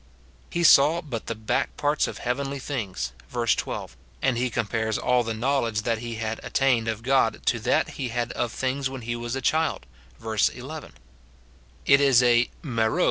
He saw but the back parts of heavenly things, verse 12, and compares all the knowledge he had attained of God to that he had of things when he was a child, verse 11. It is a IXe'po.